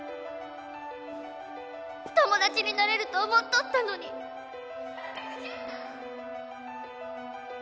友達になれると思っとったのに錯覚じゃった！